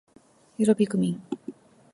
よろぴくみん